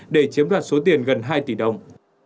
để chiếm đoạt số tiền gần hai tỷ đồng